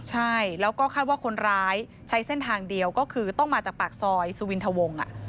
ใช่แล้วก็คาดว่าคนร้ายใช้เส้นทางเดียวก็คือต้องมาจากปากซอยสุวินทวง